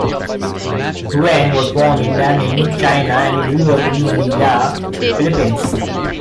Huang was born in Nanning, China and grew up in Manila, Philippines.